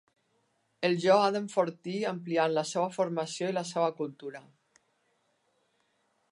El jo ha d'enfortir-se ampliant la seua formació i la seua cultura.